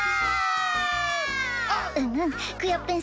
うんうんクヨッペン